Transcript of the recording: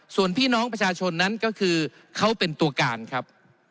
ส่วนพี่น้องประชาชนนั้นก็คือเขาเป็นตัวการครับ